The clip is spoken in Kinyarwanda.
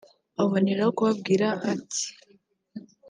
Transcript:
Aboneraho kubabwira ati